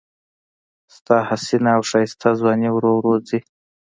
ستا حسینه او ښایسته ځواني ورو ورو ځي